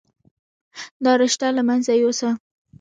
دا رشته له منځه يوسه.